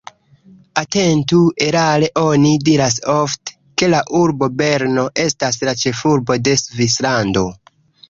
Atentu erare oni diras ofte, ke la urbo Berno estas la ĉefurbo de Svislando.